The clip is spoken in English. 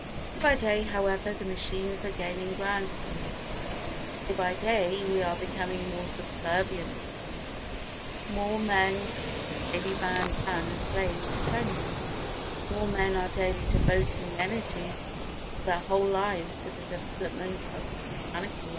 Day by day, however, the machines are gaining ground upon us; day by day we are becoming more subservient to them; more men are daily bound down as slaves to tend them, more men are daily devoting the energies of their whole lives to the development of mechanical life.